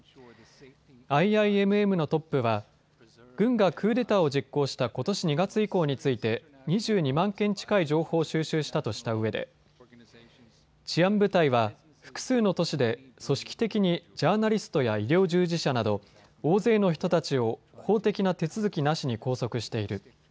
ＩＩＭＭのトップは軍がクーデターを実行したことし２月以降について２２万件近い情報を収集したとしたうえで治安部隊は複数の都市で組織的にジャーナリストや医療従事者など大勢の人たちを法的な手続きなしに拘束している。